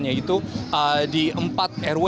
yaitu di empat rw